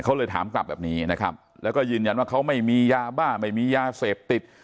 เขาเลยถามกลับแบบนี้นะครับแล้วก็ยืนยันว่าเขาไม่มียาบ้าไม่มียาเสพติด